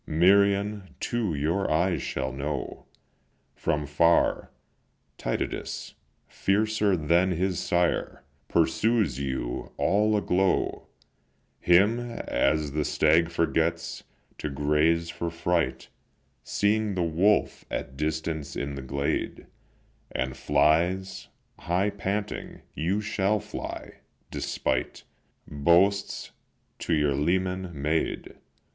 Merion too your eyes shall know From far. Tydides, fiercer than his sire, Pursues you, all aglow; Him, as the stag forgets to graze for fright, Seeing the wolf at distance in the glade, And flies, high panting, you shall fly, despite Boasts to your leman made.